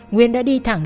nguyên đã đi thẳng